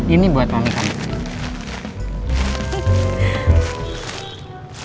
ini buat mami kamu